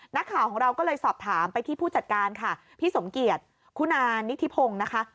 นักข่าวของเราก็เลยสอบถามไปที่ผู้จัดการค่ะพี่สมเกียจคุณานิทิพงศ์นะคะ